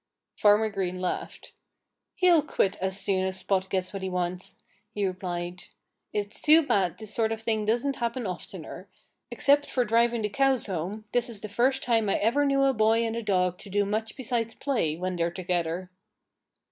Farmer Green laughed. "He'll quit as soon as Spot gets what he wants," he replied. "It's too bad this sort of thing doesn't happen oftener. Except for driving the cows home, this is the first time I ever knew a boy and a dog to do much besides play, when they're together."